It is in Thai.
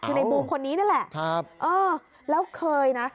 คือในบูมคนนี้นั่นแหละแล้วเคยนะ